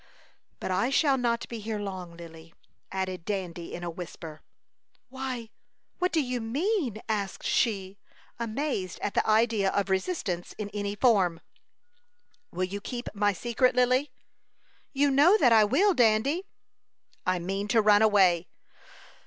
"But I shall not be here long, Lily," added Dandy, in a whisper. "Why, what do you mean?" asked she, amazed at the idea of resistance in any form. "Will you keep my secret, Lily?" "You know that I will, Dandy." "I mean to run away."